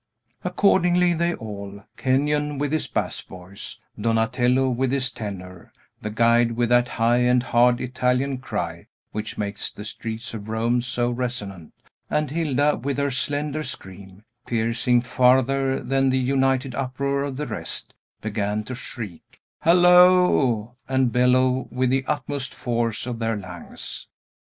Accordingly, they all Kenyon with his bass voice; Donatello with his tenor; the guide with that high and hard Italian cry, which makes the streets of Rome so resonant; and Hilda with her slender scream, piercing farther than the united uproar of the rest began to shriek, halloo, and bellow, with the utmost force of their lungs.